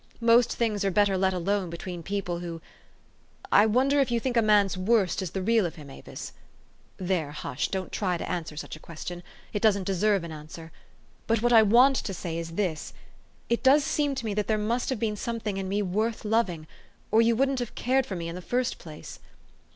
" Most things are better let alone between people who I wonder if you think a man's worst is the real of him, Avis? There hush ! Don't try to answer such a question. It doesn't deserve an answer. But what I want to say is this, It does seem to me that there must have been something in me worth loving, or you wouldn't have cared for me in the first place.